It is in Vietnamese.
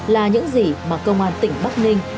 là những gì mà công an tỉnh bắc ninh